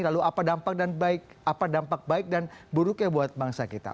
lalu apa dampak baik dan buruknya buat bangsa kita